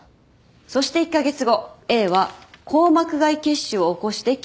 そして１カ月後Ａは硬膜外血腫を起こして急死。